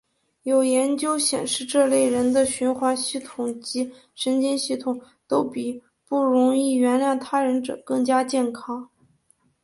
有研究显示这类人的循环系统及神经系统都比不容易原谅他人者更加健康。